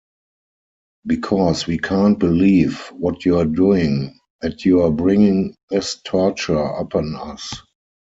Because we can't believe what you're doing, that you're bringing this torture upon us!